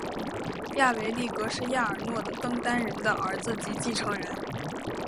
亚维力格是亚尔诺的登丹人的儿子及继承人。